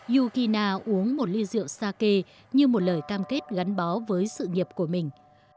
yukina uống một ly rượu sake như một lời cam kết gắn bó với sự nghiệp của mình